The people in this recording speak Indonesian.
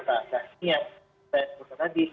dan ini yang saya sebutkan tadi